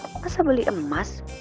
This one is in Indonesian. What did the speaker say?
masa beli emas